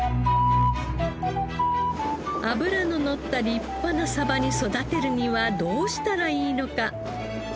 脂ののった立派なサバに育てるにはどうしたらいいのか？